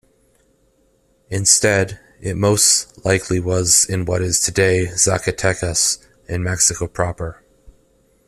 Instead, it most likely was in what is today Zacatecas in Mexico proper.